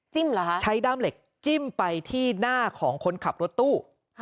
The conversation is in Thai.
เหรอคะใช้ด้ามเหล็กจิ้มไปที่หน้าของคนขับรถตู้